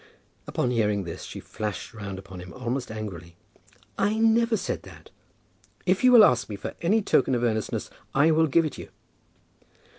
Upon hearing this she flashed round upon him almost angrily. "I never said that." "If you will ask me for any token of earnestness, I will give it you."